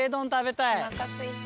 おなかすいた。